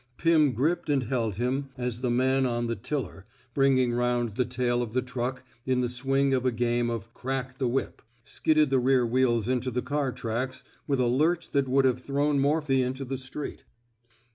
Pim gripped and held him as the man on the tiller,'' bringing round the tail of the truck in the swing of a game of crack 96 PRIVATE MOEPHY^S EOMANCE the whip,'' skidded the rear wheels into the car tracks with a lurch that would have thrown Morphy into the street.